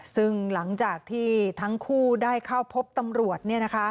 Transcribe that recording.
ซึ่งหลังจากที่ทั้งคู่ได้เข้าพบตำรวจ